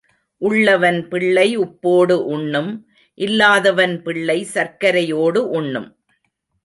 உள்ளவன் பிள்ளை உப்போடு உண்ணும் இல்லாதவன் பிள்ளை சர்க்கரையோடு உண்ணும்.